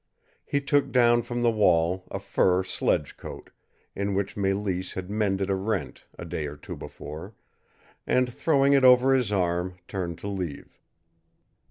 He took down from the wall a fur sledge coat, in which Mélisse had mended a rent a day or two before, and, throwing it over his arm, turned to leave.